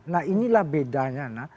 nah inilah bedanya